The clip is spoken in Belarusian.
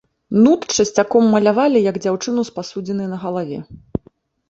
Нут часцяком малявалі як дзяўчыну з пасудзінай на галаве.